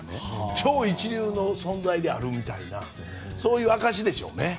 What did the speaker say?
超一流の存在であるみたいなそういう証しでしょうね。